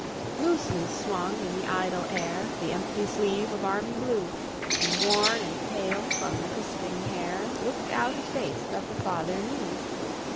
Loosely swung in the idle air The empty sleeve of army blue; And worn and pale, from the crisping hair, Looked out a face that the father knew.